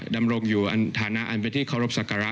ดำรงอยู่ทันะอันเป็นที่เคารพศักระ